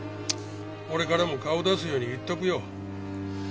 俺からも顔を出すように言っとくよ。